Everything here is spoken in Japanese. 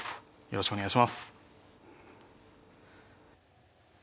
よろしくお願いします。